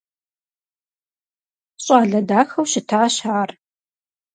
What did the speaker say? ЩӀалэ дахэу щытащ ар.